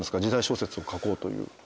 時代小説を書こうという。